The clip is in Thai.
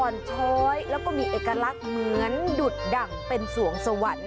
ช้อยแล้วก็มีเอกลักษณ์เหมือนดุดดั่งเป็นสวงสวรรค์